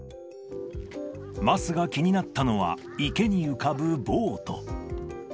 桝が気になったのは、池に浮かぶボート。